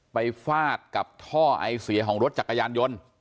ฟาดกับท่อไอเสียของรถจักรยานยนต์